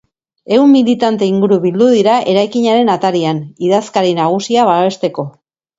Ehun militante inguru bildu dira eraikinaren atarian, idazkari nagusia babesteko.